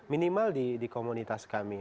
minimal di komunitas kami